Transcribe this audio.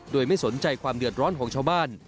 โดยไม่สนใจความเดือดร้อนของชาวบ้าน